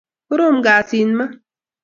koroom kasiit maa